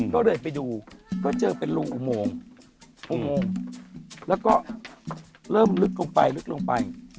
ก็เลยไปดูก็เจอเป็นรูอุโมงอุโมงแล้วก็เริ่มลึกลงไปลึกลงไป